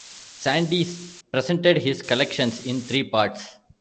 Sandys presented his collections in three parts.